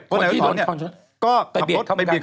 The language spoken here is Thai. คนที่โดนชนเนี่ยก็จะขับรถไปเบียดเขาเหมือนกัน